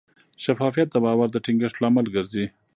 شفافیت د باور د ټینګښت لامل ګرځي.